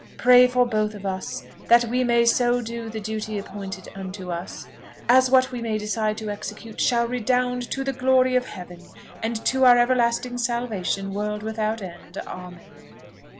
pray for both of us, that we may so do the duty appointed unto us, as what we may decide to execute shall redound to the glory of heaven, and to our everlasting salvation, world without end, amen!"